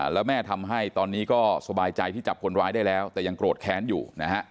แล้วแม่ทำให้ตอนนี้ก็สบายใจที่จับคนร้ายได้แล้วแต่ยังโกรธแค้นอยู่นะฮะ